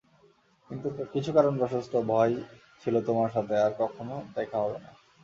কিছু কারণবশত, ভয় ছিল তোমার সাথে আর কখনো দেখা হবে না।